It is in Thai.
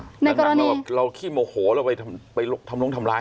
ดังนั้นเราขี้โมโหเราไปทำลงทำร้าย